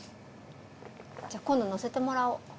じゃあ今度乗せてもらおう。